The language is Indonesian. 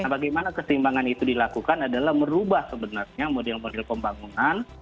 nah bagaimana keseimbangan itu dilakukan adalah merubah sebenarnya model model pembangunan